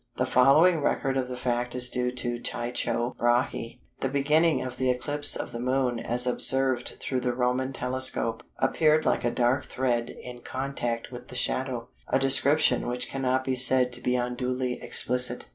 The following record of the fact is due to Tycho Brahe. "The beginning of the eclipse of the Moon as observed through the Roman telescope, appeared like a dark thread in contact with the shadow"—a description which cannot be said to be unduly explicit.